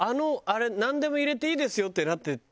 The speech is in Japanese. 「なんでも入れていいですよ」ってなってて。